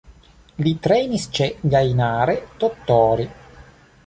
Li trejnis ĉe Gainare Tottori.